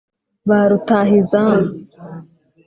Ba Rutahizamu